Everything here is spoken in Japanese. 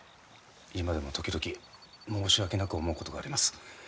今でも時々申し訳なく思うことがあります。